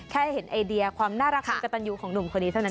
แค่เห็นไอเดียความน่ารักความกระตันยูของหนุ่มคนนี้เท่านั้น